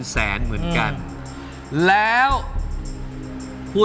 ถูกสักข้อแล้ววะ